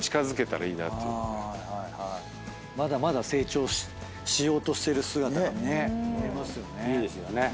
まだまだ成長しようとしてる姿が見えますよね。